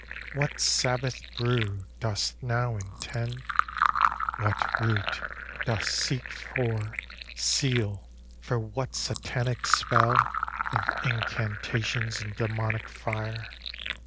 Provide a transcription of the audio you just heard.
What sabboth brew dost now intend? What root Dost seek for, seal for what satanic spell Of incantations and demoniac fire?